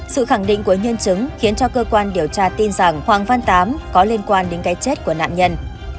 sự khẳng định của nhân chứng khiến cho cơ quan điều tra tin rằng hoàng văn tám có liên quan đến cái chết của nạn nhân